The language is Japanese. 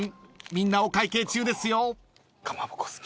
みんなお会計中ですよ］